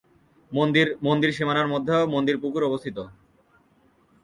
মন্দির সীমানার মধ্যে মন্দির পুকুর অবস্থিত।